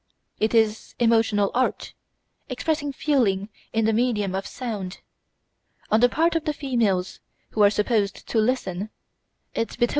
It is emotional art, expressing feelings in the medium of sound. On the part of the females, who are supposed to listen, it betokens a cultivated ear.